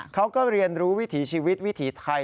เขาก็เรียนรู้วิถีชีวิตวิถีไทย